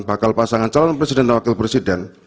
bakal pasangan calon presiden dan wakil presiden